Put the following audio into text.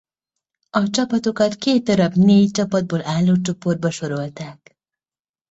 A csapatokat két darab négy csapatból álló csoportba sorsolták.